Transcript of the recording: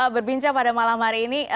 berbincang pada malam hari ini